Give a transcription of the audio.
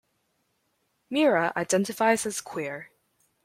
Mirah identifies as queer.